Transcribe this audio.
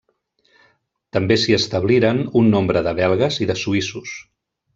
També s'hi establiren un nombre de belgues i de suïssos.